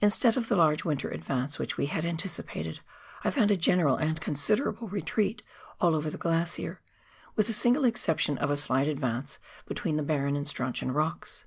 Instead of the large winter advance which we had anticipated, I found a general and considerable retreat all over the glacier, with the single exception of a slight advance between the Barron and Strauchon Rocks.